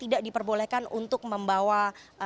boleh diperbolehkan untuk tetap berada di ruang sidang holde